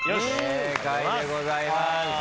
正解でございます。